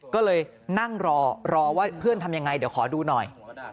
ก็เลยนั่งรอรอว่าเพื่อนทำยังไงเดี๋ยวขอดูหน่อย